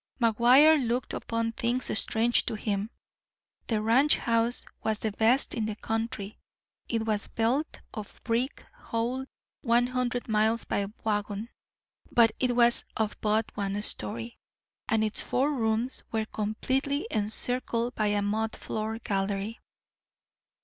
McGuire looked upon things strange to him. The ranch house was the best in the country. It was built of brick hauled one hundred miles by wagon, but it was of but one story, and its four rooms were completely encircled by a mud floor "gallery."